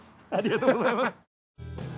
ありがとうございます。